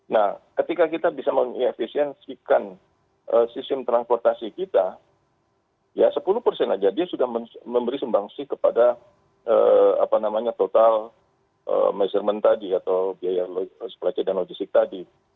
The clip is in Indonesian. nah ketika kita bisa mengefisiensikan sistem transportasi kita ya sepuluh persen aja dia sudah memberi sumbangsi kepada total measurement tadi atau biaya supply chay dan logistik tadi